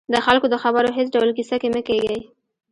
د خلکو د خبرو هېڅ ډول کیسه کې مه کېږئ